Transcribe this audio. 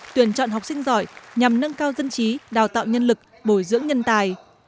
tuyển chọn học sinh giỏi nhằm nâng cao dân trí đào tạo nhân lực bồi dưỡng nhân tài